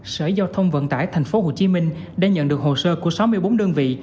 sở giao thông vận tải tp hcm đã nhận được hồ sơ của sáu mươi bốn đơn vị